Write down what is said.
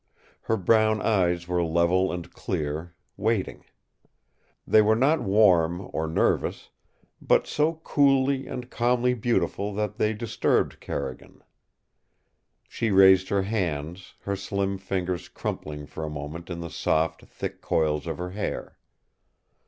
Her brown eyes were level and clear, waiting. They were not warm or nervous, but so coolly and calmly beautiful that they disturbed Carrigan. She raised her hands, her slim fingers crumpling for a moment in the soft, thick coils of her hair.